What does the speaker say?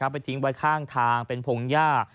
ไปทิ้งไว้ข้างทางเป็นพงหญ้า